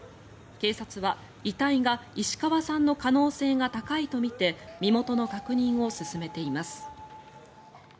警察は、遺体が石川さんの可能性が高いとみて身元の確認を進めています。